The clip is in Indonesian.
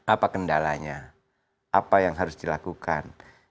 apa kendalanya apa yang harus dilakukan